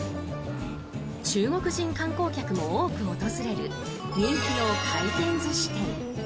中国人観光客も多く訪れる人気の回転寿司店。